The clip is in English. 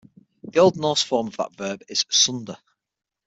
The Old Norse form of that verb is "sundr".